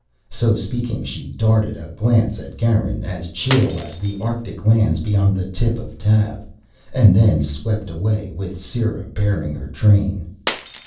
So speaking, she darted a glance at Garin as chill as the arctic lands beyond the lip of Tav, and then swept away with Sera bearing her train.